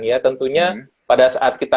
ya tentunya pada saat kita